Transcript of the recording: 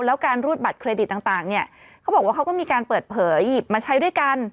แล้วการรูดบัตรเครดิตต่างเนี่ยเขาบอกว่าเขาก็มีการเปิดเผยหยิบมาใช้ด้วยกัน